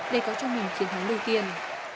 để có cho mình chiến thắng đầu tiên